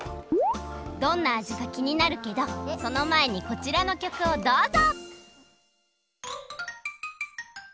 どんなあじかきになるけどそのまえにこちらのきょくをどうぞ！